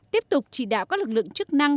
tiếp tục chỉ đạo các lực lượng chức năng